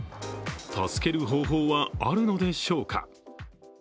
助ける方法はあるのでしょうか。